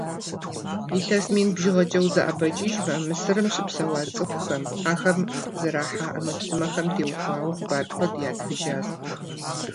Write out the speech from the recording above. Илъэс мин бжыгъэкӏэ узэӏэбэкӏыжмэ, Мысырым щыпсэуа цӏыхухэм, абы зэрахьа ӏэмэпсымэхэм теухуауэ хъыбар куэд ятхыжащ.